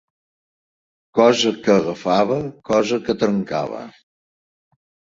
Cosa que agafava, cosa que trencava.